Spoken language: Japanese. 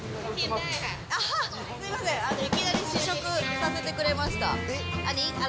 すみません、いきなり試食させてくれました。